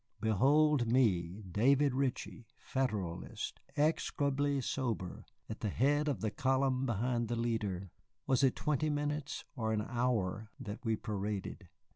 Behold me, David Ritchie, Federalist, execrably sober, at the head of the column behind the leader. Was it twenty minutes, or an hour, that we paraded?